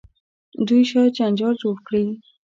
دوی شاید جنجال جوړ کړي.